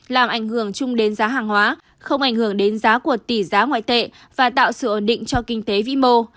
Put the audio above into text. làm ảnh hưởng chung đến giá hàng hóa không ảnh hưởng đến giá của tỷ giá ngoại tệ và tạo sự ổn định cho kinh tế vĩ mô